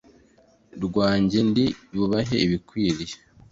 rwanjye ndi bubahe ibikwiriye